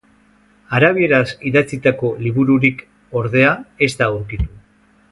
Arabieraz idatzitako libururik, ordea, ez da aurkitu.